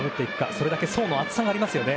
それだけの層の厚さがありますよね。